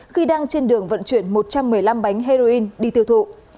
khi đang trên đường vận chuyển một trăm một mươi năm bánh heroin đi tiêu thụ